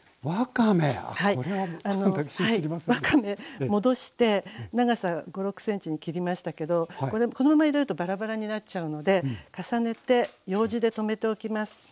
わかめ戻して長さ５６ｃｍに切りましたけどこれもこのまま入れるとバラバラになっちゃうので重ねてようじで留めておきます。